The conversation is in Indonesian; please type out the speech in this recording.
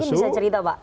mungkin bisa cerita pak